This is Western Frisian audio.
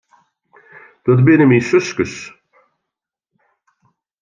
Dat binne myn suskes.